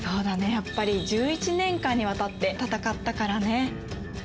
やっぱり１１年間に渡って戦ったからね。